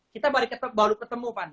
kita baru ketemu pan